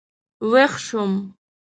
وېښ شوم.